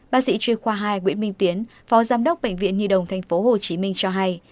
bác sĩ chuyên khoa hai nguyễn minh tiến phó giám đốc bệnh viện nhi đồng tp hcm cho hay